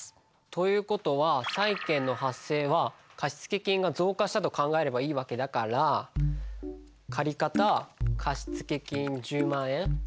という事は債権の発生は貸付金が増加したと考えればいい訳だから借方貸付金１０万円。